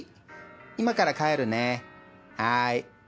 今から帰るねはい。